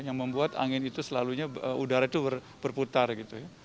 yang membuat angin itu selalunya udara itu berputar gitu ya